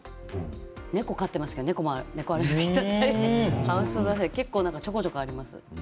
猫、飼っていますけど猫アレルギーだったりハウスダストだったりちょこちょこあります。